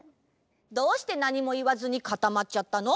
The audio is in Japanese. どうしてなにもいわずにかたまっちゃったの？